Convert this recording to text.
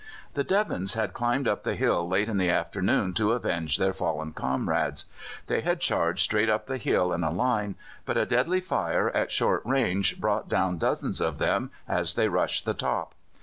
The Devons had climbed up the hill late in the afternoon to avenge their fallen comrades. They had charged straight up the hill in a line, but a deadly fire at short range brought down dozens of them as they rushed the top.